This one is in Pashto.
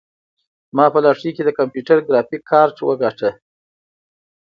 ما په لاټرۍ کې د کمپیوټر ګرافیک کارت وګاټه.